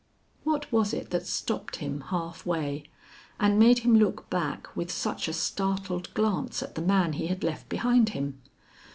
What was it that stopped him half way, and made him look back with such a startled glance at the man he had left behind him?